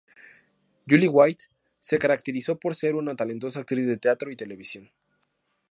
Julie White se caracterizó por ser una talentosa actriz de teatro y televisión.